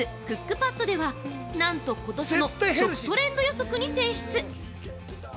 「クックパッド」では、なんと今年の食トレンド予測に選出。